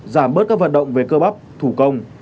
giảm bớt các vận động về cơ bắp thủ công